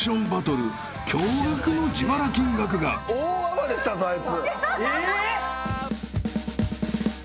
大暴れしたぞあいつ。